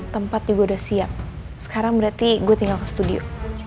tempat juga udah siap sekarang berarti gue tinggal ke studio